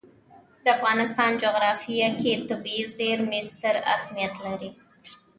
د افغانستان جغرافیه کې طبیعي زیرمې ستر اهمیت لري.